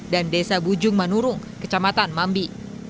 dan desa bujung manurung kecamatan mambi